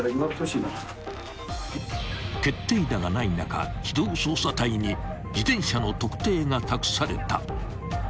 ［決定打がない中機動捜査隊に自転車の特定が託された］